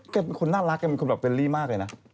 แกเป็นคนน่ารักแกมีคุณแบบเป็นรีมากเลยนะ